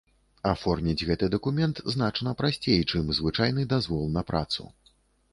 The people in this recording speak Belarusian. Аформіць гэты дакумент значна прасцей, чым звычайны дазвол на працу.